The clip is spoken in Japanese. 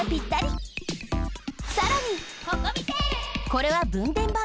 これはぶんでんばん。